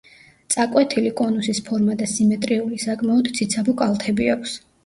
წაკვეთილი კონუსის ფორმა და სიმეტრიული, საკმაოდ ციცაბო კალთები აქვს.